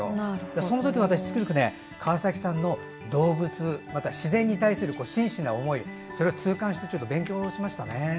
そのとき私、つくづく動物、自然に対する真摯な思いそれを痛感して勉強しましたね。